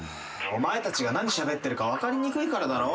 お前たちが何しゃべってるか分かりにくいからだろ？